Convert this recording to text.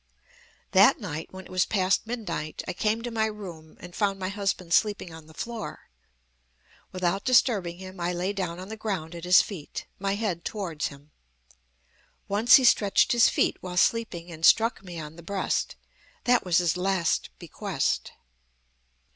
"That night, when it was past midnight, I came to my room, and found my husband sleeping on the floor. Without disturbing him I lay down on the ground at his feet, my head towards him. Once he stretched his feet, while sleeping, and struck me on the breast. That was his last bequest.